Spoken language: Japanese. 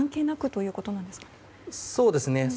そうですね。